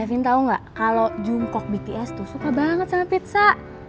davin tau gak kalau jungkok bts suka banget sama pizza